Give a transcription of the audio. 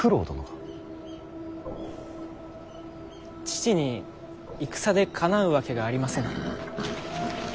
父に戦でかなうわけがありませぬ。